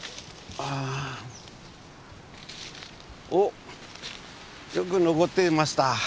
おっよく残っていました。